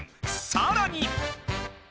さらに！